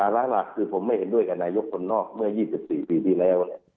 ร้านหลักคือผมไม่เห็นด้วยกับนายกคนนอกเมื่อ๒๔ปีที่แล้ว